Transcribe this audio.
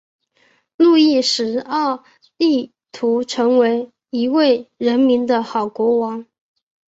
路易十二力图成为一位人民的好国王。